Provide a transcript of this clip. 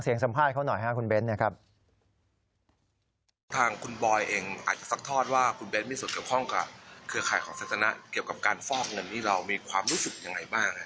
รู้สึกอย่างไรบ้าง